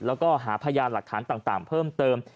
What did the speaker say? แล้วก็หาพยานหลักฐานต่างเพิ่มเติม